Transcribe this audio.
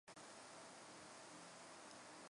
透射系数是透射值与入射值的比率。